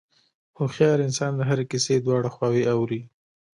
هوښیار انسان د هرې کیسې دواړه خواوې اوري.